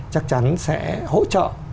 chắc chắn sẽ hỗ trợ